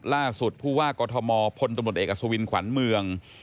ล่าสุดผู้ว่ากฎธมพลตมเอกสวินขวัญเมือง